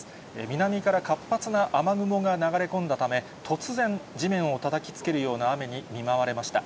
南から活発な雨雲が流れ込んだため、突然、地面をたたきつけるような雨に見舞われました。